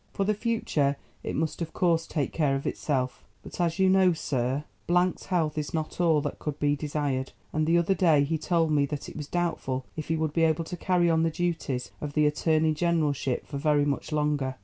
For the future, it must of course take care of itself; but, as you know, Sir ——'s health is not all that could be desired, and the other day he told me that it was doubtful if he would be able to carry on the duties of the Attorney Generalship for very much longer.